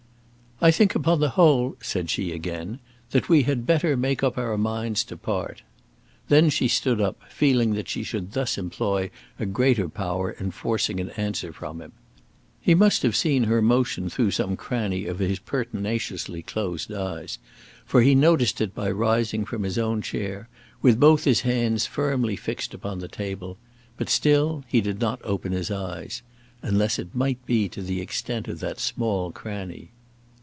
"I think upon the whole," said she again, "that we had better make up our minds to part." Then she stood up, feeling that she should thus employ a greater power in forcing an answer from him. He must have seen her motion through some cranny of his pertinaciously closed eyes, for he noticed it by rising from his own chair, with both his hands firmly fixed upon the table; but still he did not open his eyes, unless it might be to the extent of that small cranny.